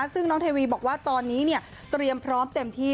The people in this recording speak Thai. ซึ่งน้องเทวีบอกว่าตอนนี้เตรียมพร้อมเต็มที่